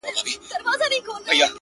پرون مي دومره اوښكي توى كړې گراني ـ